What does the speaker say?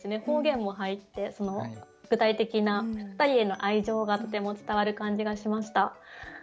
方言も入って具体的なふたりへの愛情がとても伝わる感じがしました。